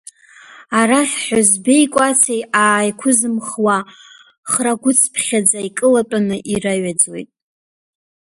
Арахь ҳәызбеи кәаци ааиқәызымхуа храгәыцыԥхьаӡа икылатәаны ираҩаӡоит…